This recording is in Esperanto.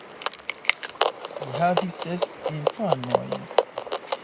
Li havis ses infanojn.